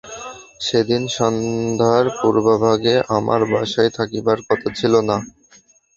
সেদিন সন্ধ্যার পূর্বভাগে আমার বাসায় থাকিবার কথা ছিল না।